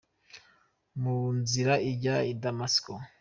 Mu nzira ijya i Damasiko ?